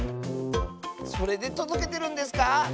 それでとどけてるんですか？